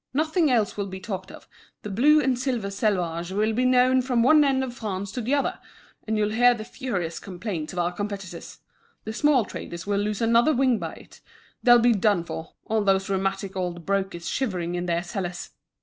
Nothing else will be talked of; the blue and silver selvage will be known from one end of France to the other. And you'll hear the furious complaints of our competitors. The small traders will lose another wing by it; they'll be done for, all those rheumatic old brokers shivering in their cellars!"